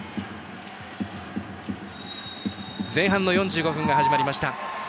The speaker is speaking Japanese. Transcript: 前半の４５分が始まりました。